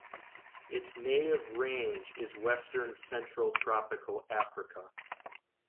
Its native range is western central tropical Africa.